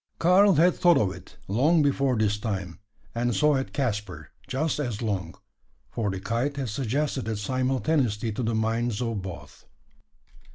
Karl had thought of it, long before this time; and so had Caspar, just as long: for the kite had suggested it simultaneously to the minds of both.